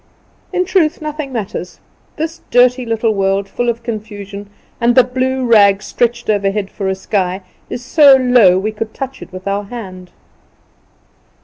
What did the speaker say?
In truth, nothing matters. This dirty little world full of confusion, and the blue rag, stretched overhead for a sky, is so low we could touch it with our hand.